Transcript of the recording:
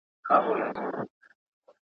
زه دي سر تر نوکه ستا بلا ګردان سم.